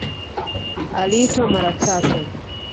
Aliitwa mara tatu